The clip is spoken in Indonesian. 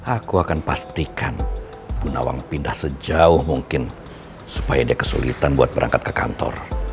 aku akan pastikan bu nawang pindah sejauh mungkin supaya dia kesulitan buat berangkat ke kantor